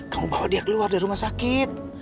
kamu bawa dia keluar dari rumah sakit